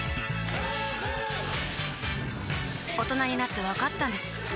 大人になってわかったんです